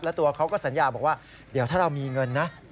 แล้วตัวเขาก็สัญญาบอกว่าเดี๋ยวถ้าเรามีเงินนะ